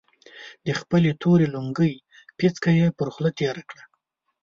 د خپلې تورې لونګۍ پيڅکه يې پر خوله تېره کړه.